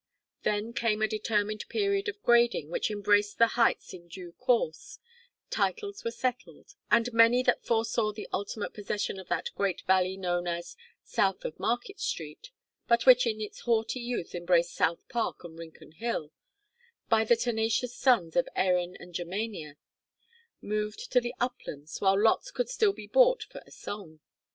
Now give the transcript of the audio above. Then came a determined period of grading which embraced the heights in due course, titles were settled, and many that foresaw the ultimate possession of that great valley now known as "South of Market Street" but which in its haughty youth embraced South Park and Rincon Hill by the tenacious sons of Erin and Germania, moved to the uplands while lots could still be bought for a song.